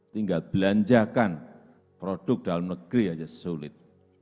tinggal belanjakan produk dalam negeri saja sulit